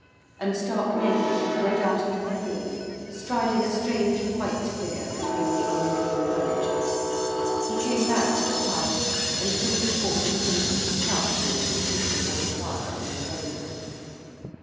And stark naked he went out into the hall, striding a strange, white figure between the unliving furniture. He came back with the towels, and took his former position, crouching seated before the fire on the fender.